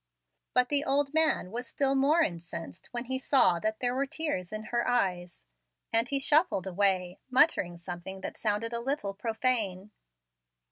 But the old man was still more incensed when he saw that there were tears in her eyes, and he shuffled away, muttering something that sounded a little profane.